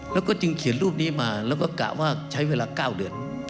แล้วก็จึงเขียนรูปนี้มาแล้วก็กะว่าใช้เวลา๙เดือน